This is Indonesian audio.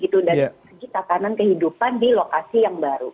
dan segitakanan kehidupan di lokasi yang baru